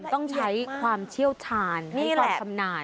ต้องใช้ความเชี่ยวชาญให้ปลอดคำนาญ